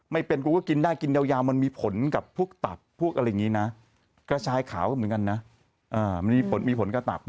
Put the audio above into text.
ไม่เป็นกูก็กินได้กินยาวมันมีผลกับพวกตับพวกอะไรอย่างนี้นะกระชายขาวก็เหมือนกันนะมันมีผลมีผลกระตับนะ